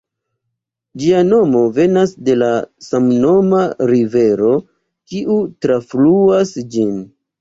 Ĝia nomo venas de la samnoma rivero, kiu trafluas ĝin.